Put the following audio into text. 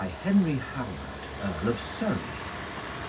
Henry Howard, Earl of Surrey.